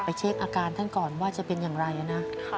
เช็คอาการท่านก่อนว่าจะเป็นอย่างไรนะ